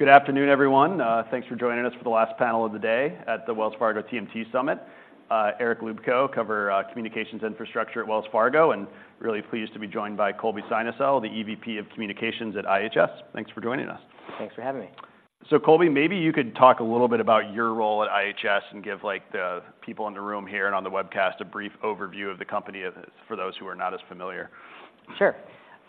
Good afternoon, everyone. Thanks for joining us for the last panel of the day at the Wells Fargo TMT Summit. Eric Luebchow covers communications infrastructure at Wells Fargo, and really pleased to be joined by Colby Synesael, the EVP of communications at IHS. Thanks for joining us. Thanks for having me. So Colby, maybe you could talk a little bit about your role at IHS and give, like, the people in the room here and on the webcast, a brief overview of the company for those who are not as familiar. Sure.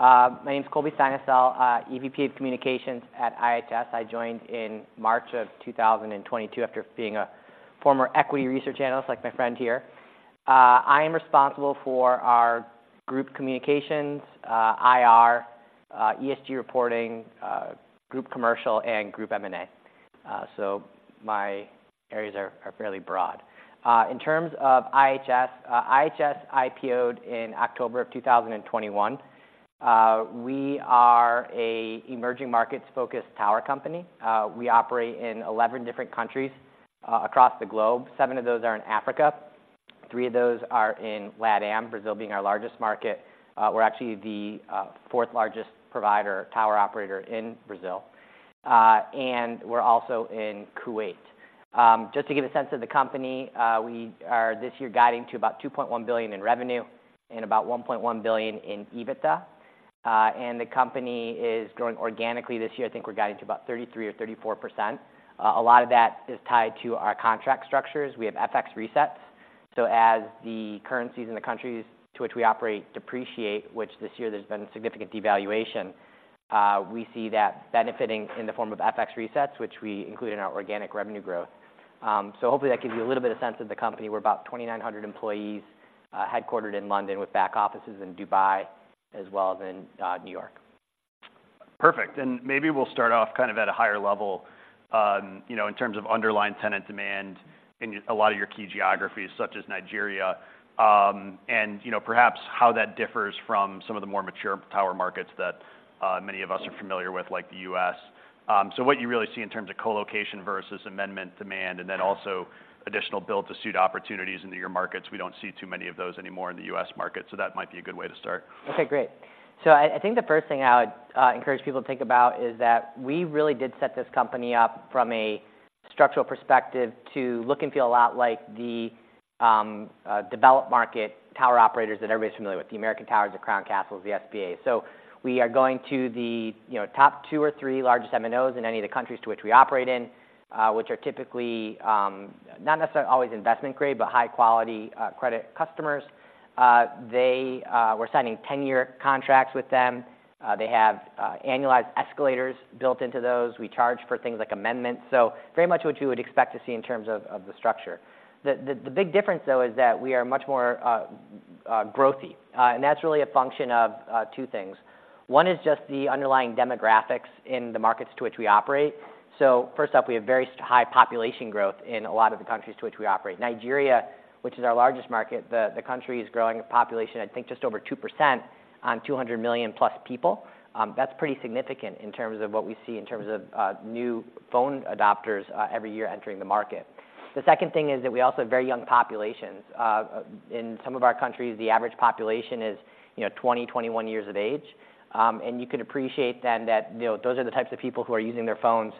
My name's Colby Synesael, EVP of Communications at IHS. I joined in March 2022 after being a former equity research analyst, like my friend here. I am responsible for our group communications, IR, ESG reporting, group commercial, and group M&A. So my areas are fairly broad. In terms of IHS, IHS IPOed in October 2021. We are an emerging markets-focused tower company. We operate in 11 different countries across the globe. Seven of those are in Africa, three of those are in LATAM, Brazil being our largest market. We're actually the fourth largest provider, tower operator in Brazil, and we're also in Kuwait. Just to give a sense of the company, we are this year guiding to about $2.1 billion in revenue and about $1.1 billion in EBITDA. The company is growing organically this year. I think we're guiding to about 33% or 34%. A lot of that is tied to our contract structures. We have FX resets, so as the currencies in the countries to which we operate depreciate, which this year there's been significant devaluation, we see that benefiting in the form of FX resets, which we include in our organic revenue growth. So hopefully that gives you a little bit of sense of the company. We're about 2,900 employees, headquartered in London, with back offices in Dubai as well as in New York. Perfect. And maybe we'll start off kind of at a higher level, you know, in terms of underlying tenant demand in a lot of your key geographies, such as Nigeria. And, you know, perhaps how that differs from some of the more mature tower markets that, many of us are familiar with, like the U.S. So what you really see in terms of colocation versus amendment demand, and then also additional build-to-suit opportunities into your markets. We don't see too many of those anymore in the U.S. market, so that might be a good way to start. Okay, great. So I think the first thing I would encourage people to think about is that we really did set this company up from a structural perspective to look and feel a lot like the developed market tower operators that everybody's familiar with, the American Towers, the Crown Castles, the SBAs. So we are going to the, you know, top two or three largest MNOs in any of the countries to which we operate in, which are typically not necessarily always investment grade, but high quality credit customers. We're signing 10-year contracts with them. They have annualized escalators built into those. We charge for things like amendments, so very much what you would expect to see in terms of the structure. The big difference, though, is that we are much more growthy, and that's really a function of two things. One is just the underlying demographics in the markets to which we operate. So first up, we have very high population growth in a lot of the countries to which we operate. Nigeria, which is our largest market, the country is growing a population, I think, just over 2% on 200+ million people. That's pretty significant in terms of what we see in terms of new phone adopters every year entering the market. The second thing is that we also have very young populations. In some of our countries, the average population is, you know, 20, 21 years of age. And you can appreciate then that, you know, those are the types of people who are using their phones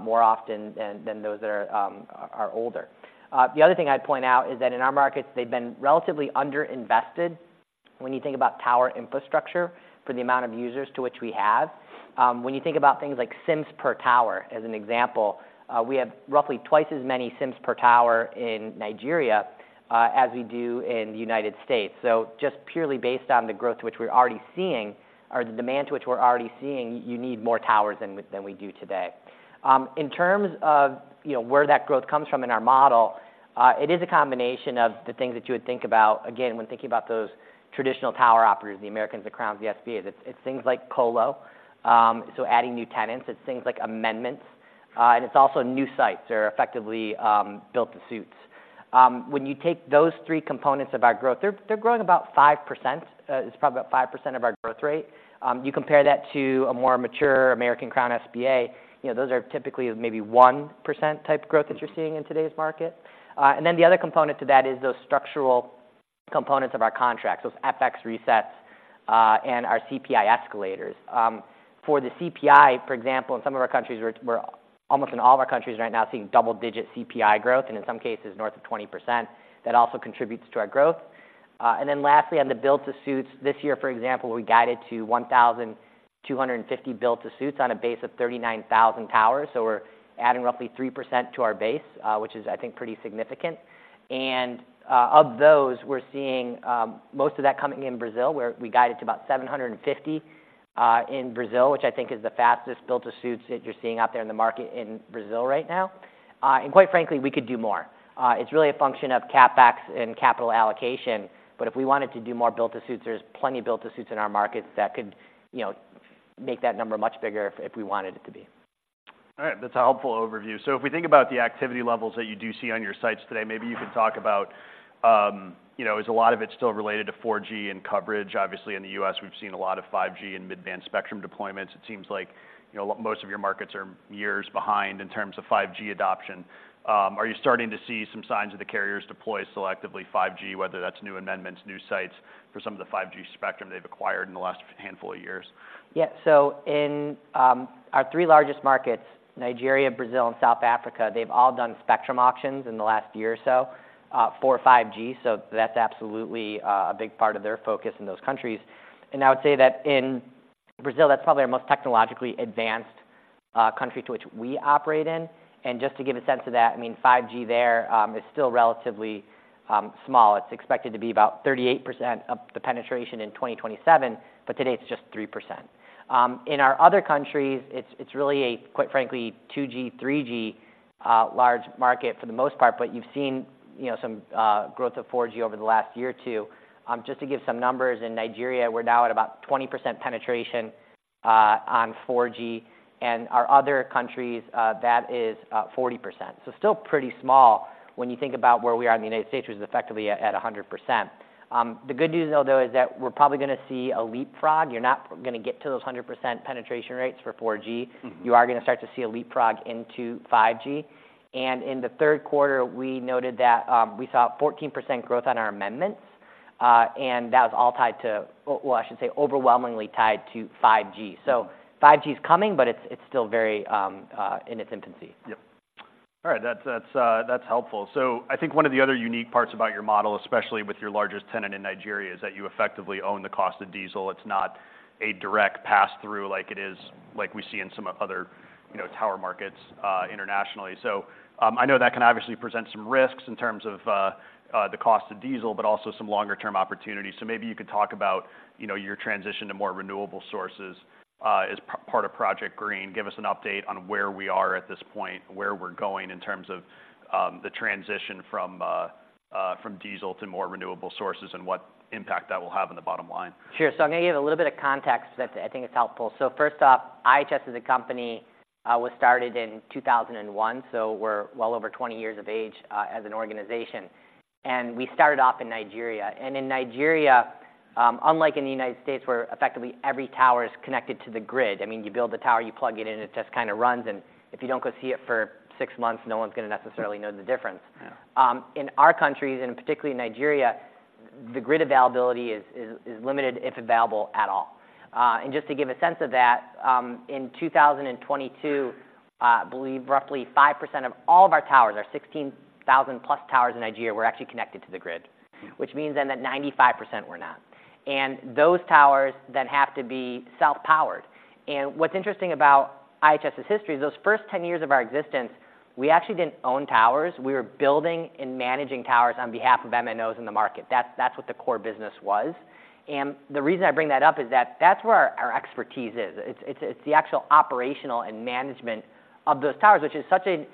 more often than those that are older. The other thing I'd point out is that in our markets, they've been relatively underinvested when you think about tower infrastructure for the amount of users to which we have. When you think about things like SIMs per tower, as an example, we have roughly twice as many SIMs per tower in Nigeria as we do in the United States. So just purely based on the growth which we're already seeing, or the demand to which we're already seeing, you need more towers than we do today. In terms of, you know, where that growth comes from in our model, it is a combination of the things that you would think about, again, when thinking about those traditional tower operators, the Americans, the Crowns, the SBAs. It's things like colo, so adding new tenants. It's things like amendments, and it's also new sites that are effectively build-to-suits. When you take those three components of our growth, they're growing about 5%. It's probably about 5% of our growth rate. You compare that to a more mature American, Crown, SBA, you know, those are typically maybe 1% type growth that you're seeing in today's market. And then the other component to that is those structural components of our contracts, those FX resets, and our CPI escalators. For the CPI, for example, in some of our countries, we're almost in all of our countries right now seeing double-digit CPI growth, and in some cases, north of 20%. That also contributes to our growth. And then lastly, on the build-to-suits, this year, for example, we guided to 1,250 build-to-suits on a base of 39,000 towers. So we're adding roughly 3% to our base, which is, I think, pretty significant. And, of those, we're seeing most of that coming in Brazil, where we guided to about 750 in Brazil, which I think is the fastest build-to-suits that you're seeing out there in the market in Brazil right now. And quite frankly, we could do more. It's really a function of CapEx and capital allocation, but if we wanted to do more build-to-suits, there's plenty of build-to-suits in our markets that could, you know, make that number much bigger if we wanted it to be. All right. That's a helpful overview. So if we think about the activity levels that you do see on your sites today, maybe you could talk about, you know, is a lot of it still related to 4G and coverage? Obviously, in the U.S., we've seen a lot of 5G and mid-band spectrum deployments. It seems like, you know, most of your markets are years behind in terms of 5G adoption. Are you starting to see some signs of the carriers deploy selectively 5G, whether that's new amendments, new sites, for some of the 5G spectrum they've acquired in the last handful of years? Yeah. So in our three largest markets, Nigeria, Brazil, and South Africa, they've all done spectrum auctions in the last year or so for 5G, so that's absolutely a big part of their focus in those countries. And I would say that in Brazil, that's probably our most technologically advanced country to which we operate in. And just to give a sense of that, I mean, 5G there is still relatively small. It's expected to be about 38% of the penetration in 2027, but today it's just 3%. In our other countries, it's really a quite frankly 2G, 3G large market for the most part, but you've seen, you know, some growth of 4G over the last year or two. Just to give some numbers, in Nigeria, we're now at about 20% penetration on 4G, and our other countries, that is, 40%. So still pretty small when you think about where we are in the United States, which is effectively at 100%. The good news, though, is that we're probably gonna see a leapfrog. You're not gonna get to those 100% penetration rates for 4G. Mm-hmm. You are gonna start to see a leapfrog into 5G. In the third quarter, we noted that we saw 14% growth on our amendments, and that was all tied to... Well, I should say, overwhelmingly tied to 5G. So 5G is coming, but it's still very in its infancy. Yep. All right. That's helpful. So I think one of the other unique parts about your model, especially with your largest tenant in Nigeria, is that you effectively own the cost of diesel. It's not a direct pass-through like we see in some of the other, you know, tower markets internationally. So I know that can obviously present some risks in terms of the cost of diesel, but also some longer-term opportunities. So maybe you could talk about, you know, your transition to more renewable sources as part of Project Green. Give us an update on where we are at this point, where we're going in terms of the transition from diesel to more renewable sources, and what impact that will have on the bottom line. Sure. So I'm gonna give a little bit of context that I think is helpful. So first off, IHS as a company was started in 2001, so we're well over 20 years of age as an organization. We started off in Nigeria. In Nigeria, unlike in the United States, where effectively every tower is connected to the grid, I mean, you build the tower, you plug it in, and it just kinda runs, and if you don't go see it for six months, no one's gonna necessarily know the difference. Yeah. In our countries, and particularly in Nigeria, the grid availability is limited, if available at all. And just to give a sense of that, in 2022, I believe roughly 5% of all of our towers, our 16,000+ towers in Nigeria, were actually connected to the grid. Mm-hmm. Which means then that 95% were not. Those towers then have to be self-powered. What's interesting about IHS's history is those first 10 years of our existence, we actually didn't own towers. We were building and managing towers on behalf of MNOs in the market. That's what the core business was. The reason I bring that up is that that's where our expertise is. It's the actual operational and management of those towers, which is such an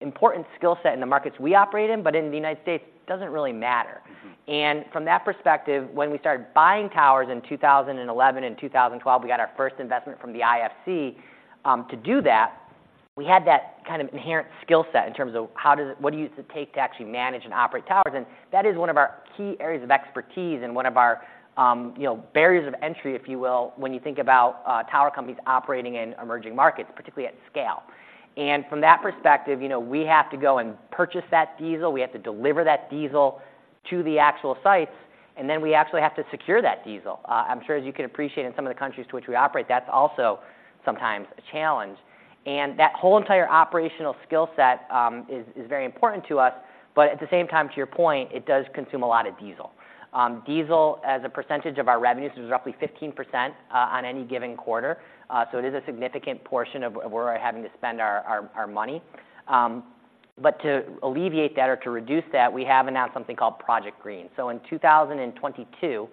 important skill set in the markets we operate in, but in the United States, it doesn't really matter. Mm-hmm. From that perspective, when we started buying towers in 2011 and 2012, we got our first investment from the IFC. To do that, we had that kind of inherent skill set in terms of what does it take to actually manage and operate towers? And that is one of our key areas of expertise and one of our, you know, barriers of entry, if you will, when you think about tower companies operating in emerging markets, particularly at scale. And from that perspective, you know, we have to go and purchase that diesel, we have to deliver that diesel to the actual sites, and then we actually have to secure that diesel. I'm sure as you can appreciate, in some of the countries to which we operate, that's also sometimes a challenge. That whole entire operational skill set is very important to us, but at the same time, to your point, it does consume a lot of diesel. Diesel, as a percentage of our revenues, is roughly 15% on any given quarter. So it is a significant portion of where we're having to spend our money. But to alleviate that or to reduce that, we have announced something called Project Green. So in 2022,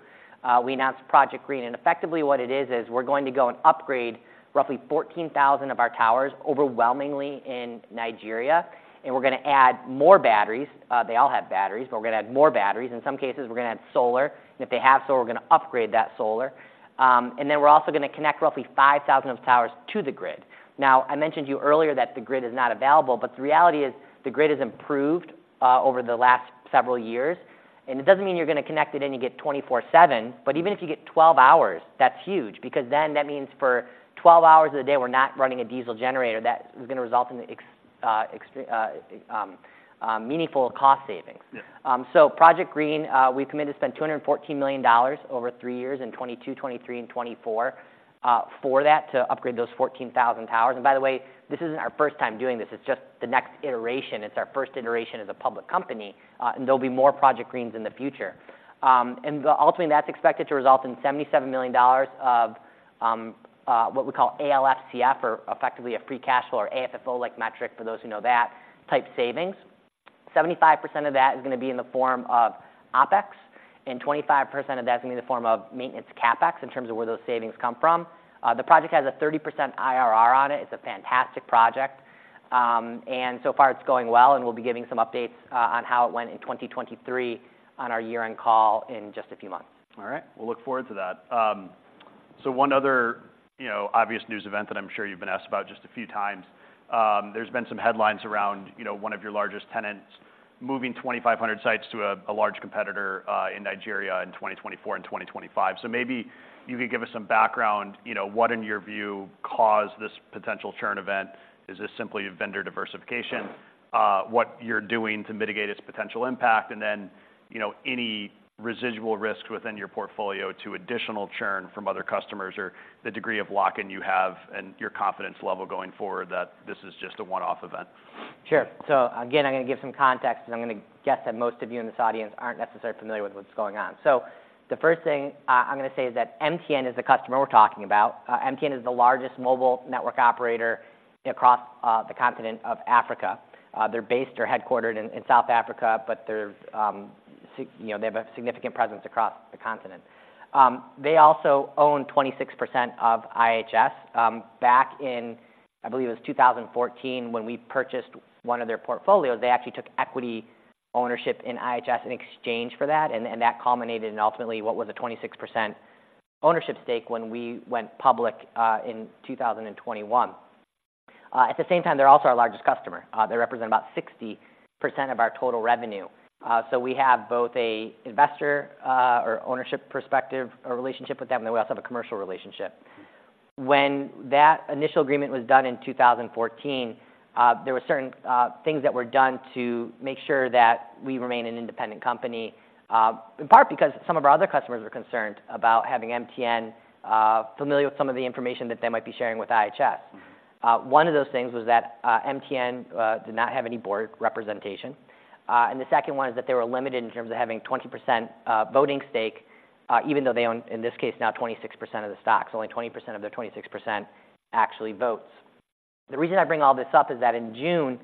we announced Project Green, and effectively what it is, is we're going to go and upgrade roughly 14,000 of our towers, overwhelmingly in Nigeria, and we're gonna add more batteries. They all have batteries, but we're gonna add more batteries. In some cases, we're gonna add solar, and if they have solar, we're gonna upgrade that solar. And then we're also gonna connect roughly 5,000 of towers to the grid. Now, I mentioned to you earlier that the grid is not available, but the reality is the grid has improved over the last several years. And it doesn't mean you're gonna connect it in, you get 24/7, but even if you get 12 hours, that's huge, because then that means for 12 hours of the day, we're not running a diesel generator. That is gonna result in extreme meaningful cost savings. Yeah. So Project Green, we've committed to spend $214 million over three years in 2022, 2023, and 2024, for that, to upgrade those 14,000 towers. And by the way, this isn't our first time doing this. It's just the next iteration. It's our first iteration as a public company, and there'll be more Project Greens in the future. And ultimately, that's expected to result in $77 million of what we call ALFCF, or effectively a free cash flow, or AFFO-like metric, for those who know that, type savings. 75% of that is gonna be in the form of OpEx, and 25% of that is gonna be in the form of maintenance CapEx, in terms of where those savings come from. The project has a 30% IRR on it. It's a fantastic project. So far it's going well, and we'll be giving some updates on how it went in 2023 on our year-end call in just a few months. All right. We'll look forward to that. So one other, you know, obvious news event that I'm sure you've been asked about just a few times. There's been some headlines around, you know, one of your largest tenants moving 2,500 sites to a large competitor in Nigeria in 2024 and 2025. So maybe you could give us some background, you know, what, in your view, caused this potential churn event? Is this simply a vendor diversification? What you're doing to mitigate its potential impact, and then, you know, any residual risks within your portfolio to additional churn from other customers, or the degree of lock-in you have, and your confidence level going forward, that this is just a one-off event. Sure. So again, I'm gonna give some context, because I'm gonna guess that most of you in this audience aren't necessarily familiar with what's going on. So the first thing, I'm gonna say is that MTN is the customer we're talking about. MTN is the largest mobile network operator across the continent of Africa. They're based or headquartered in South Africa, but they're, you know, they have a significant presence across the continent. They also own 26% of IHS. Back in, I believe it was 2014, when we purchased one of their portfolios, they actually took equity ownership in IHS in exchange for that, and that culminated in ultimately what was a 26% ownership stake when we went public in 2021. At the same time, they're also our largest customer. They represent about 60% of our total revenue. So we have both a investor or ownership perspective or relationship with them, and we also have a commercial relationship. When that initial agreement was done in 2014, there were certain things that were done to make sure that we remain an independent company, in part because some of our other customers were concerned about having MTN familiar with some of the information that they might be sharing with IHS. One of those things was that, MTN did not have any board representation. The second one is that they were limited in terms of having 20% voting stake, even though they own, in this case, now 26% of the stocks. Only 20% of their 26% actually votes. The reason I bring all this up is that in June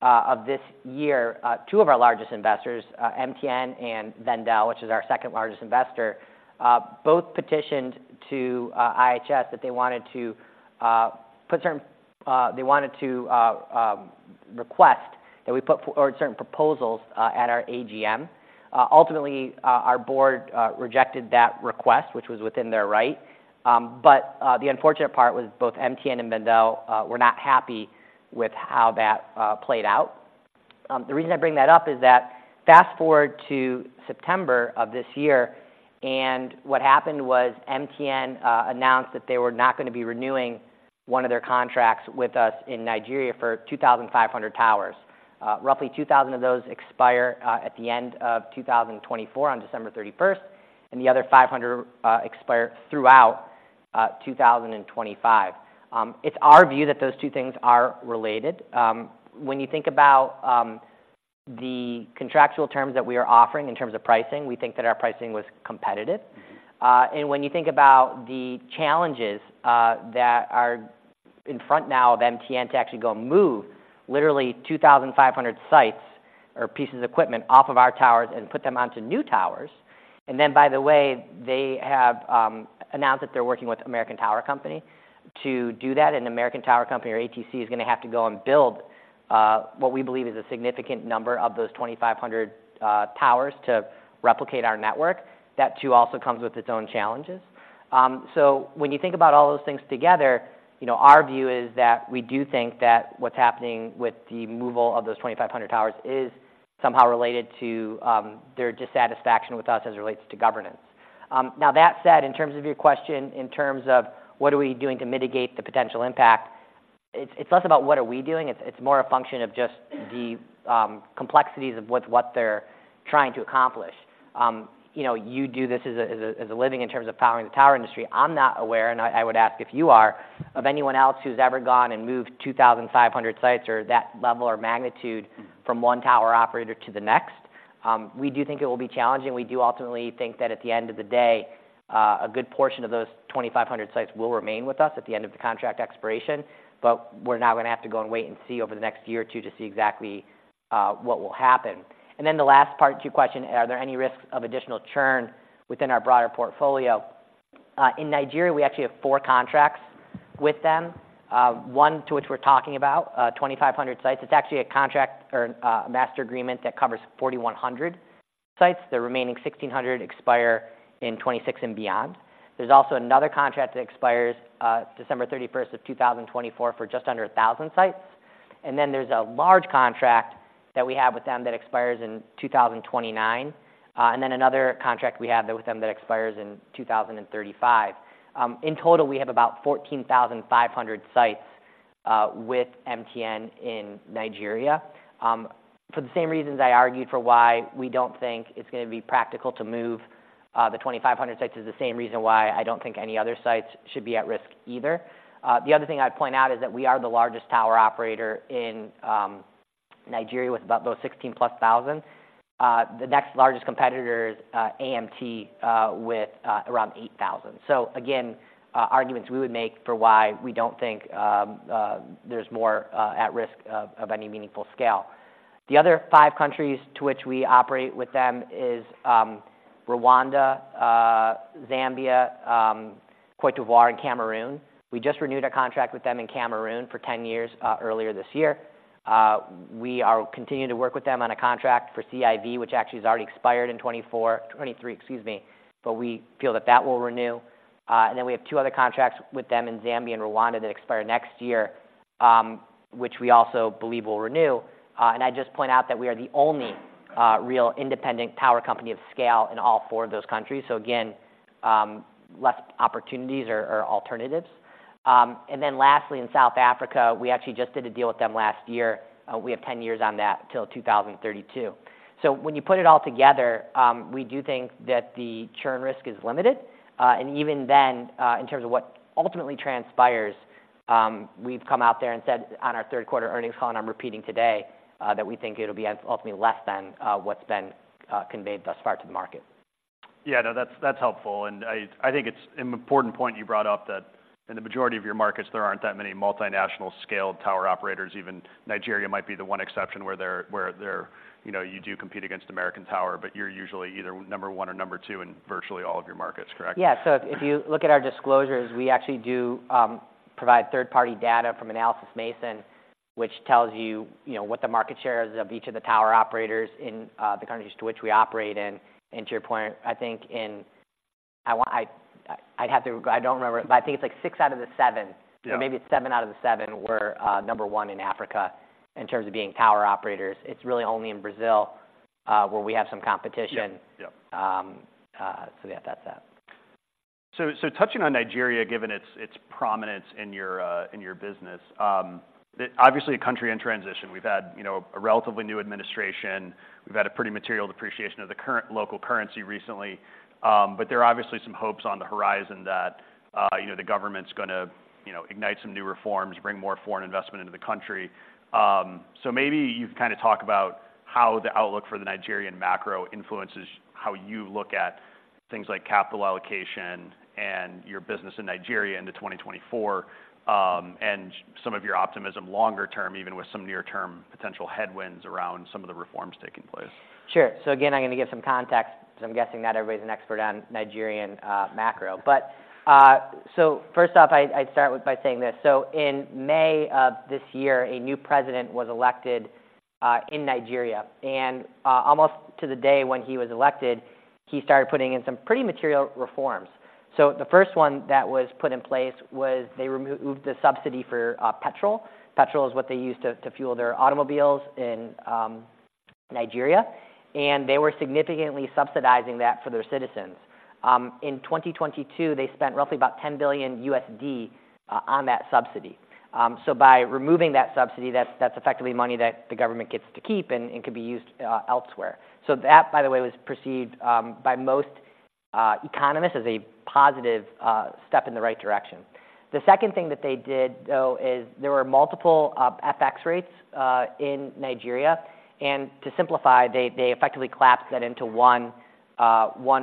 of this year, two of our largest investors, MTN and Wendel, which is our second largest investor, both petitioned to IHS that they wanted to put certain... They wanted to request that we put certain proposals at our AGM. Ultimately, our board rejected that request, which was within their right. But the unfortunate part was both MTN and Wendel were not happy with how that played out. The reason I bring that up is that fast-forward to September of this year, and what happened was MTN announced that they were not gonna be renewing one of their contracts with us in Nigeria for 2,500 towers. Roughly 2,000 of those expire at the end of 2024, on December 31, and the other 500 expire throughout 2025. It's our view that those two things are related. When you think about the contractual terms that we are offering in terms of pricing, we think that our pricing was competitive. Mm-hmm. And when you think about the challenges that are in front now of MTN to actually go move literally 2,500 sites or pieces of equipment off of our towers and put them onto new towers. And then, by the way, they have announced that they're working with American Tower Corporation to do that. And American Tower Corporation, or ATC, is gonna have to go and build what we believe is a significant number of those 2,500 towers to replicate our network. That, too, also comes with its own challenges. So when you think about all those things together, you know, our view is that we do think that what's happening with the removal of those 2,500 towers is somehow related to their dissatisfaction with us as it relates to governance. Now, that said, in terms of your question, in terms of what are we doing to mitigate the potential impact, it's less about what are we doing, it's more a function of just the complexities of what they're trying to accomplish. You know, you do this as a living in terms of powering the tower industry. I'm not aware, and I would ask if you are, of anyone else who's ever gone and moved 2,500 sites or that level or magnitude- Mm-hmm. -from one tower operator to the next. We do think it will be challenging. We do ultimately think that at the end of the day, a good portion of those 2,500 sites will remain with us at the end of the contract expiration, but we're now gonna have to go and wait and see over the next year or two to see exactly what will happen. And then the last part to your question, are there any risks of additional churn within our broader portfolio? In Nigeria, we actually have four contracts with them. One to which we're talking about, 2,500 sites. It's actually a contract or a master agreement that covers 4,100 sites. The remaining 1,600 expire in 2026 and beyond. There's also another contract that expires, December 31, 2024 for just under 1,000 sites. Then there's a large contract that we have with them that expires in 2029, and then another contract we have with them that expires in 2035. In total, we have about 14,500 sites, with MTN in Nigeria. For the same reasons I argued for why we don't think it's gonna be practical to move, the 2,500 sites is the same reason why I don't think any other sites should be at risk either. The other thing I'd point out is that we are the largest tower operator in, Nigeria, with about those 16,000+. The next largest competitor is, AMT, with, around 8,000. So again, arguments we would make for why we don't think there's more at risk of any meaningful scale. The other five countries to which we operate with them is Rwanda, Zambia, Côte d'Ivoire and Cameroon. We just renewed our contract with them in Cameroon for ten years earlier this year. We are continuing to work with them on a contract for CIV, which actually has already expired in 2024, 2023, excuse me, but we feel that that will renew. And then we have two other contracts with them in Zambia and Rwanda that expire next year, which we also believe will renew. And I just point out that we are the only real independent power company of scale in all four of those countries. So again, less opportunities or alternatives. And then lastly, in South Africa, we actually just did a deal with them last year. We have ten years on that till 2032. So when you put it all together, we do think that the churn risk is limited. And even then, in terms of what ultimately transpires, we've come out there and said on our third quarter earnings call, and I'm repeating today, that we think it'll be ultimately less than what's been conveyed thus far to the market. Yeah, no, that's, that's helpful. I think it's an important point you brought up that in the majority of your markets, there aren't that many multinational scaled tower operators. Even Nigeria might be the one exception where they're—you know, you do compete against American Tower, but you're usually either number one or number two in virtually all of your markets, correct? Yeah. So if you look at our disclosures, we actually do provide third-party data from Analysys Mason, which tells you, you know, what the market share is of each of the tower operators in the countries to which we operate in. And to your point, I think in—I'd have to... I don't remember, but I think it's like six out of the seven- Yeah... So maybe it's seven out of the seven, we're number one in Africa in terms of being tower operators. It's really only in Brazil where we have some competition. Yeah. Yeah. So yeah, that's that. So touching on Nigeria, given its prominence in your business. Obviously, a country in transition. We've had, you know, a relatively new administration. We've had a pretty material depreciation of the current local currency recently. But there are obviously some hopes on the horizon that, you know, the government's gonna, you know, ignite some new reforms, bring more foreign investment into the country. So maybe you can kind of talk about how the outlook for the Nigerian macro influences how you look at things like capital allocation and your business in Nigeria into 2024, and some of your optimism longer term, even with some near-term potential headwinds around some of the reforms taking place. Sure. So again, I'm gonna give some context because I'm guessing not everybody's an expert on Nigerian macro. But, so first off, I'd start by saying this: so in May of this year, a new president was elected in Nigeria, and almost to the day when he was elected, he started putting in some pretty material reforms. So the first one that was put in place was they removed the subsidy for petrol. Petrol is what they use to fuel their automobiles in Nigeria, and they were significantly subsidizing that for their citizens. In 2022, they spent roughly about $10 billion on that subsidy. So by removing that subsidy, that's effectively money that the government gets to keep and could be used elsewhere. So that, by the way, was perceived by most economists as a positive step in the right direction. The second thing that they did, though, is there were multiple FX rates in Nigeria, and to simplify, they effectively collapsed that into one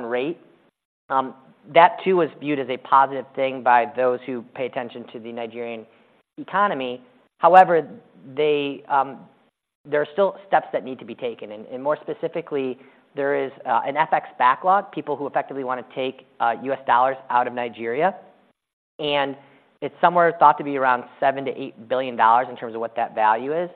rate. That too, was viewed as a positive thing by those who pay attention to the Nigerian economy. However, there are still steps that need to be taken, and more specifically, there is an FX backlog, people who effectively wanna take U.S. dollars out of Nigeria, and it's somewhere thought to be around $7 billion-$8 billion in terms of what that value is.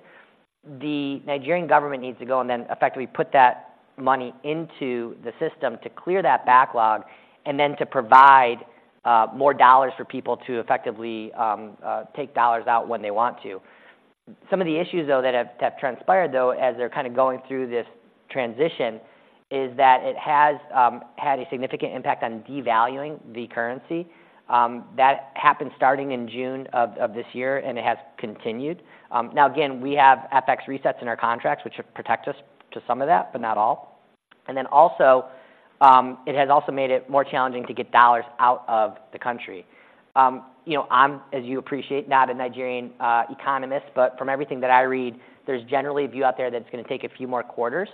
The Nigerian government needs to go and then effectively put that money into the system to clear that backlog and then to provide more dollars for people to effectively take dollars out when they want to. Some of the issues, though, that have transpired, though, as they're kind of going through this transition, is that it has had a significant impact on devaluing the currency. That happened starting in June of this year, and it has continued. Now, again, we have FX resets in our contracts, which should protect us to some of that, but not all. And then also, it has also made it more challenging to get dollars out of the country. You know, I'm, as you appreciate, not a Nigerian economist, but from everything that I read, there's generally a view out there that it's gonna take a few more quarters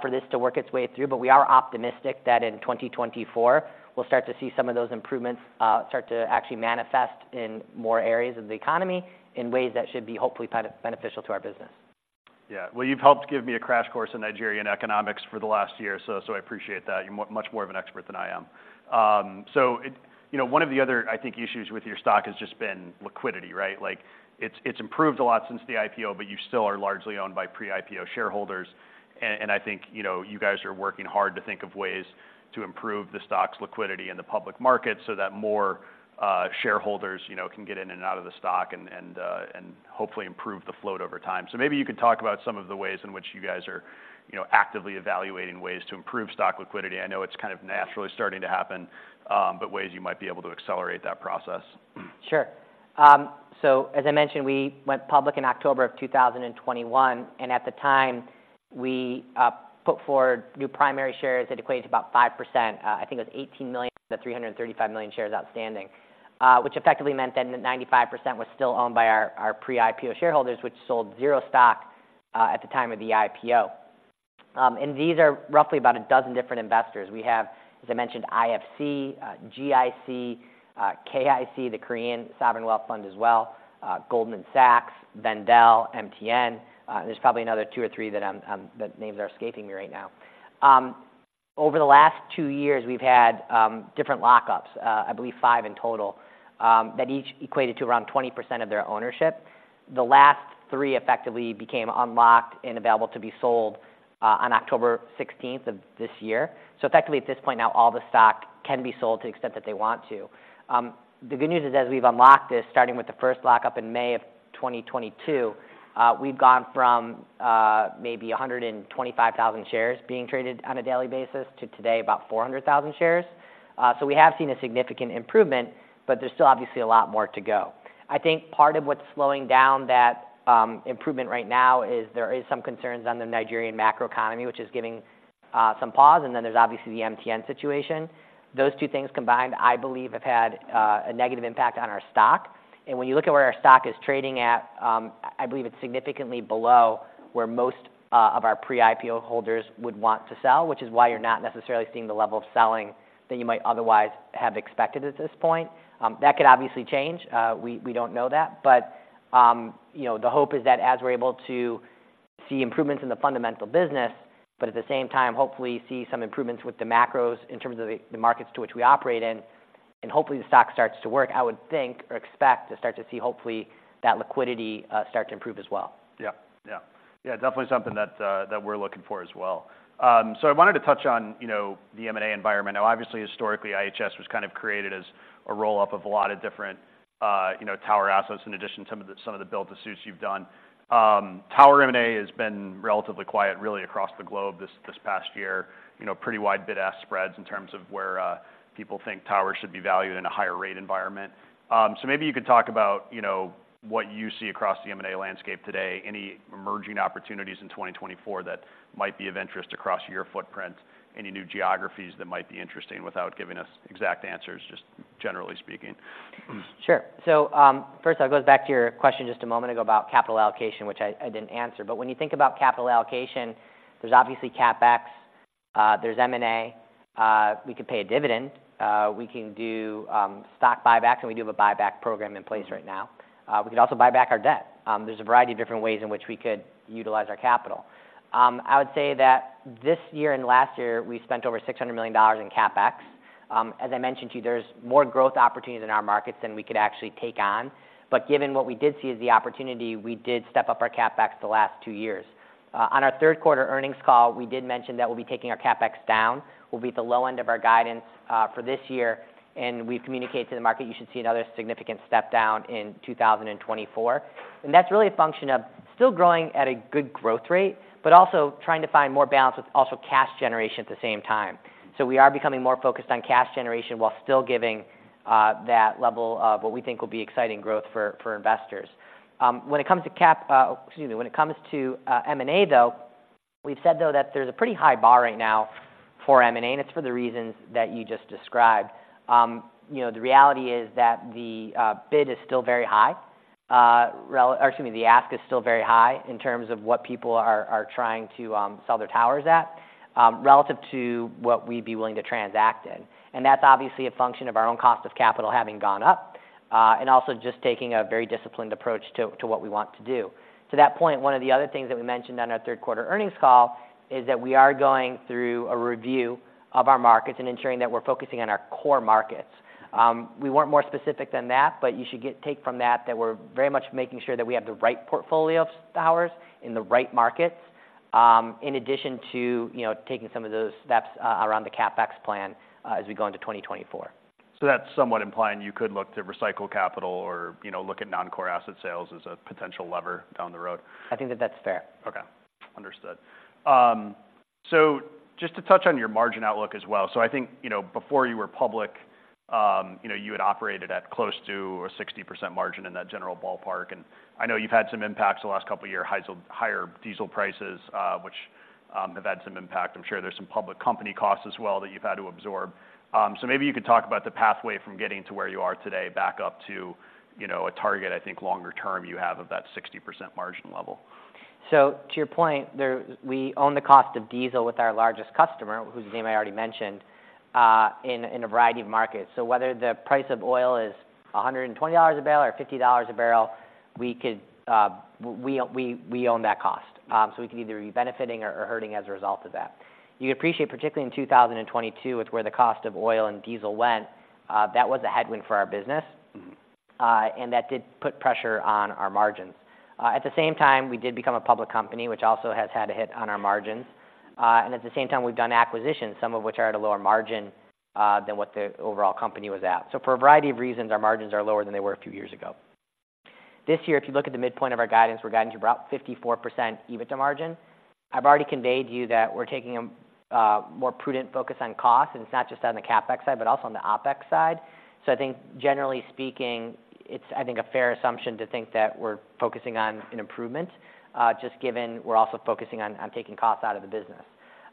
for this to work its way through. But we are optimistic that in 2024, we'll start to see some of those improvements start to actually manifest in more areas of the economy in ways that should be hopefully beneficial to our business. Yeah. Well, you've helped give me a crash course in Nigerian economics for the last year, so I appreciate that. You're much more of an expert than I am. So you know, one of the other, I think, issues with your stock has just been liquidity, right? Like, it's improved a lot since the IPO, but you still are largely owned by pre-IPO shareholders. And I think, you know, you guys are working hard to think of ways to improve the stock's liquidity in the public market so that more shareholders, you know, can get in and out of the stock and hopefully improve the float over time. So maybe you could talk about some of the ways in which you guys are, you know, actively evaluating ways to improve stock liquidity. I know it's kind of naturally starting to happen, but ways you might be able to accelerate that process. Sure. So as I mentioned, we went public in October of 2021, and at the time, we put forward new primary shares that equated to about 5%. I think it was 18 million-335 million shares outstanding, which effectively meant that 95% was still owned by our pre-IPO shareholders, which sold 0 stock at the time of the IPO. And these are roughly about a dozen different investors. We have, as I mentioned, IFC, GIC, KIC, the Korean sovereign wealth fund as well, Goldman Sachs, Wendel, MTN, there's probably another two or three that I'm... the names are escaping me right now. Over the last two years, we've had different lockups, I believe five in total, that each equated to around 20% of their ownership. The last three effectively became unlocked and available to be sold on October 16 of this year. So effectively, at this point now, all the stock can be sold to the extent that they want to. The good news is, as we've unlocked this, starting with the first lockup in May 2022, we've gone from maybe 125,000 shares being traded on a daily basis to today, about 400,000 shares. So we have seen a significant improvement, but there's still obviously a lot more to go. I think part of what's slowing down that improvement right now is there is some concerns on the Nigerian macroeconomy, which is giving some pause, and then there's obviously the MTN situation. Those two things combined, I believe, have had a negative impact on our stock. When you look at where our stock is trading at, I believe it's significantly below where most of our pre-IPO holders would want to sell, which is why you're not necessarily seeing the level of selling that you might otherwise have expected at this point. That could obviously change. We don't know that. You know, the hope is that as we're able to see improvements in the fundamental business, but at the same time, hopefully see some improvements with the macros in terms of the markets to which we operate in, and hopefully, the stock starts to work, I would think or expect to start to see, hopefully, that liquidity start to improve as well. Yeah. Yeah. Yeah, definitely something that, that we're looking for as well. So I wanted to touch on, you know, the M&A environment. Now, obviously, historically, IHS was kind of created as a roll-up of a lot of different, you know, tower assets, in addition to some of the build-to-suits you've done. Tower M&A has been relatively quiet, really, across the globe this past year. You know, pretty wide bid-ask spreads in terms of where, people think towers should be valued in a higher rate environment. So maybe you could talk about, you know, what you see across the M&A landscape today, any emerging opportunities in 2024 that might be of interest across your footprint, any new geographies that might be interesting, without giving us exact answers, just generally speaking. Sure. So, first, that goes back to your question just a moment ago about capital allocation, which I, I didn't answer. But when you think about capital allocation, there's obviously CapEx, there's M&A, we could pay a dividend, we can do, stock buybacks, and we do have a buyback program in place right now. We could also buy back our debt. There's a variety of different ways in which we could utilize our capital. I would say that this year and last year, we spent over $600 million in CapEx. As I mentioned to you, there's more growth opportunities in our markets than we could actually take on. But given what we did see as the opportunity, we did step up our CapEx the last two years. On our third quarter earnings call, we did mention that we'll be taking our CapEx down. We'll be at the low end of our guidance for this year, and we've communicated to the market you should see another significant step down in 2024. And that's really a function of still growing at a good growth rate, but also trying to find more balance with also cash generation at the same time. So we are becoming more focused on cash generation while still giving that level of what we think will be exciting growth for investors. When it comes to, excuse me, when it comes to M&A, though, we've said, though, that there's a pretty high bar right now for M&A, and it's for the reasons that you just described. You know, the reality is that the bid is still very high, or excuse me, the ask is still very high in terms of what people are trying to sell their towers at, relative to what we'd be willing to transact in. And that's obviously a function of our own cost of capital having gone up, and also just taking a very disciplined approach to what we want to do. To that point, one of the other things that we mentioned on our third quarter earnings call is that we are going through a review of our markets and ensuring that we're focusing on our core markets. We weren't more specific than that, but you should take from that that we're very much making sure that we have the right portfolio of towers in the right markets, in addition to, you know, taking some of those steps around the CapEx plan, as we go into 2024. That's somewhat implying you could look to recycle capital or, you know, look at non-core asset sales as a potential lever down the road? I think that that's fair. Okay. Understood. So just to touch on your margin outlook as well. So I think, you know, before you were public, you know, you had operated at close to a 60% margin in that general ballpark. And I know you've had some impacts the last couple of years, higher diesel prices, which have had some impact. I'm sure there's some public company costs as well that you've had to absorb. So maybe you could talk about the pathway from getting to where you are today, back up to, you know, a target, I think, longer term, you have about 60% margin level. So to your point, there we own the cost of diesel with our largest customer, whose name I already mentioned, in a variety of markets. So whether the price of oil is $120 a barrel or $50 a barrel, we own that cost. So we could either be benefiting or hurting as a result of that. You'd appreciate, particularly in 2022, with where the cost of oil and diesel went, that was a headwind for our business. Mm-hmm. And that did put pressure on our margins. At the same time, we did become a public company, which also has had a hit on our margins. And at the same time, we've done acquisitions, some of which are at a lower margin than what the overall company was at. So for a variety of reasons, our margins are lower than they were a few years ago. This year, if you look at the midpoint of our guidance, we're guiding to about 54% EBITDA margin. I've already conveyed to you that we're taking a more prudent focus on cost, and it's not just on the CapEx side, but also on the OpEx side. So I think generally speaking, it's, I think, a fair assumption to think that we're focusing on an improvement, just given we're also focusing on taking costs out of the business.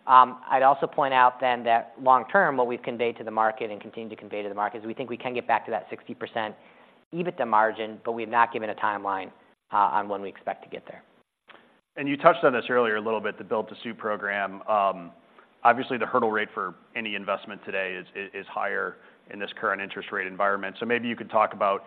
I'd also point out then that long term, what we've conveyed to the market and continue to convey to the market, is we think we can get back to that 60% EBITDA margin, but we've not given a timeline on when we expect to get there. You touched on this earlier a little bit, the build-to-suit program. Obviously, the hurdle rate for any investment today is higher in this current interest rate environment. So maybe you could talk about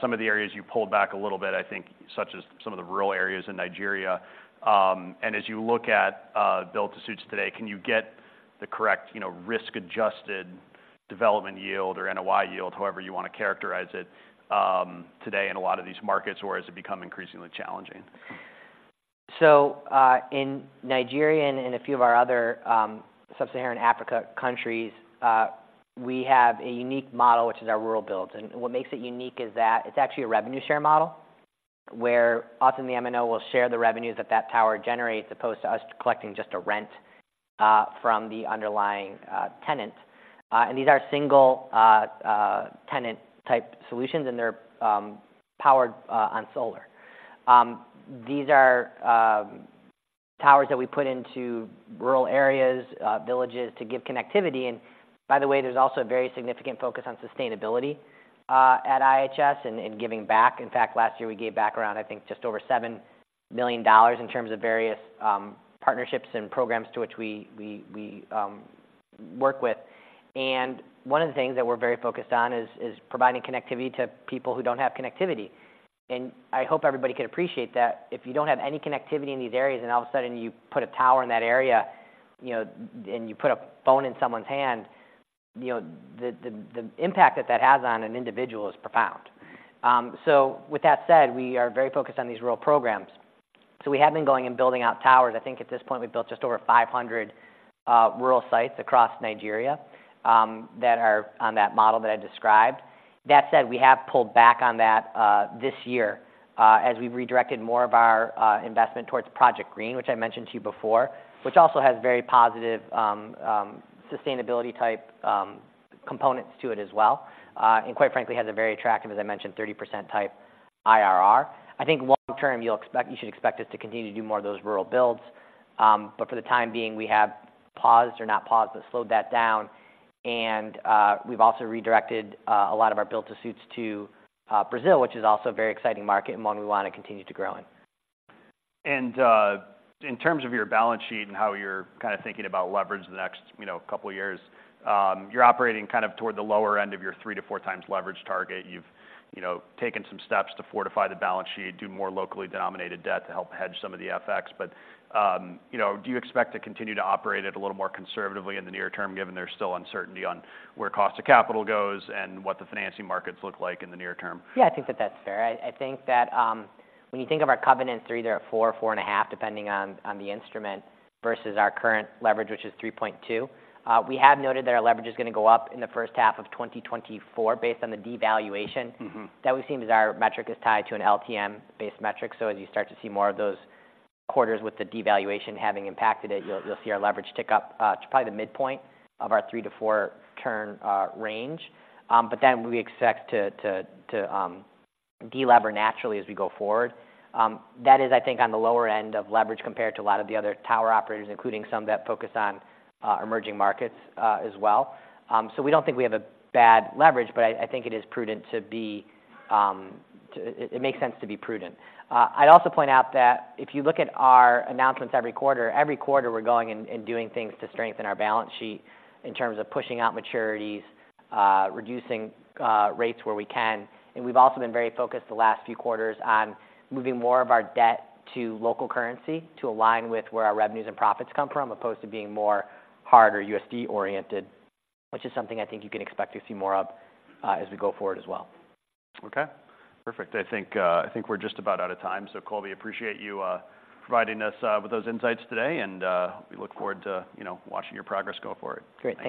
some of the areas you pulled back a little bit, I think, such as some of the rural areas in Nigeria. And as you look at build-to-suits today, can you get the correct, you know, risk-adjusted development yield or NOI yield, however you want to characterize it, today in a lot of these markets, or has it become increasingly challenging? So, in Nigeria and in a few of our other Sub-Saharan Africa countries, we have a unique model, which is our rural builds. And what makes it unique is that it's actually a revenue share model, where often the MNO will share the revenues that that tower generates, as opposed to us collecting just a rent from the underlying tenant. And these are single tenant-type solutions, and they're powered on solar. These are towers that we put into rural areas, villages, to give connectivity. And by the way, there's also a very significant focus on sustainability at IHS and giving back. In fact, last year, we gave back around, I think, just over $7 million in terms of various partnerships and programs to which we work with. One of the things that we're very focused on is providing connectivity to people who don't have connectivity. I hope everybody can appreciate that if you don't have any connectivity in these areas, and all of a sudden you put a tower in that area, you know, and you put a phone in someone's hand, you know, the impact that that has on an individual is profound. So with that said, we are very focused on these rural programs. So we have been going and building out towers. I think at this point, we've built just over 500 rural sites across Nigeria that are on that model that I described. That said, we have pulled back on that, this year, as we've redirected more of our investment towards Project Green, which I mentioned to you before, which also has very positive sustainability-type components to it as well, and quite frankly, has a very attractive, as I mentioned, 30% type IRR. I think long term, you'll expect, you should expect us to continue to do more of those rural builds. But for the time being, we have paused, or not paused, but slowed that down, and we've also redirected a lot of our build-to-suits to Brazil, which is also a very exciting market, and one we want to continue to grow in. In terms of your balance sheet and how you're kinda thinking about leverage in the next, you know, couple of years, you're operating kind of toward the lower end of your 3x-4x leverage target. You've, you know, taken some steps to fortify the balance sheet, do more locally denominated debt to help hedge some of the FX. But, you know, do you expect to continue to operate it a little more conservatively in the near term, given there's still uncertainty on where cost of capital goes and what the financing markets look like in the near term? Yeah, I think that that's fair. I, I think that, when you think of our covenants, they're either at 4x or 4.5x, depending on, on the instrument, versus our current leverage, which is 3.2x. We have noted that our leverage is gonna go up in the first half of 2024 based on the devaluation- Mm-hmm. -that we've seen, as our metric is tied to an LTM-based metric. So as you start to see more of those quarters with the devaluation having impacted it, you'll see our leverage tick up to probably the midpoint of our 3x-4x range. But then we expect to delever naturally as we go forward. That is, I think, on the lower end of leverage compared to a lot of the other tower operators, including some that focus on emerging markets as well. So we don't think we have a bad leverage, but I think it is prudent to be prudent. It makes sense to be prudent. I'd also point out that if you look at our announcements every quarter, every quarter, we're going and, and doing things to strengthen our balance sheet in terms of pushing out maturities, reducing rates where we can. We've also been very focused the last few quarters on moving more of our debt to local currency, to align with where our revenues and profits come from, opposed to being more hard or USD-oriented. Which is something I think you can expect to see more of, as we go forward as well. Okay, perfect. I think, I think we're just about out of time. So Colby, appreciate you providing us with those insights today, and we look forward to, you know, watching your progress go forward. Great. Thank you.